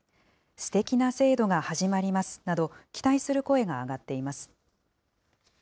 すてきな制度が始まりますなど、期待する声が上がっています。